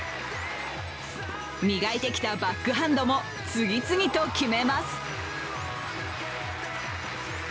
磨いてきたバックハンドも次々と決めます。